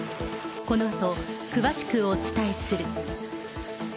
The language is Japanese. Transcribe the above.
このあと、詳しくお伝えする。